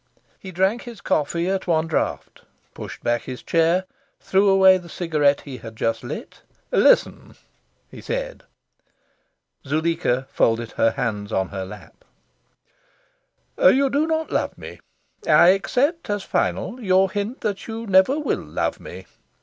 He drank his coffee at one draught, pushed back his chair, threw away the cigarette he had just lit. "Listen!" he said. Zuleika folded her hands on her lap. "You do not love me. I accept as final your hint that you never will love me.